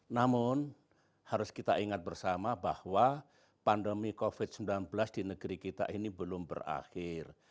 namun harus kita ingat bersama bahwa pandemi covid sembilan belas di negeri kita ini belum berakhir